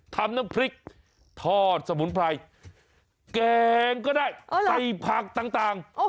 น้ำพริกทอดสมุนไพรแกงก็ได้ใส่ผักต่าง